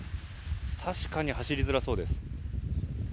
確かに走りづらそうです。